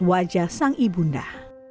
wajah sang ibunda